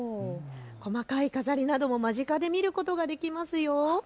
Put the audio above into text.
細かい飾りなども間近で見ることができますよ。